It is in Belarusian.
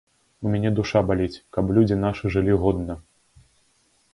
У мяне душа баліць, каб людзі нашы жылі годна!